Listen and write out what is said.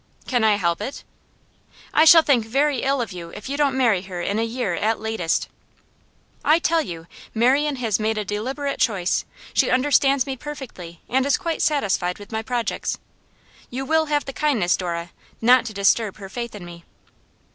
'Can I help it?' 'I shall think very ill of you if you don't marry her in a year at latest.' 'I tell you, Marian has made a deliberate choice. She understands me perfectly, and is quite satisfied with my projects. You will have the kindness, Dora, not to disturb her faith in me.